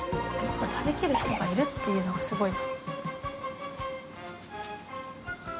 これ食べきる人がいるっていうのがすごいな。